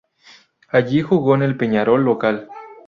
Allí jugó en el Peñarol local.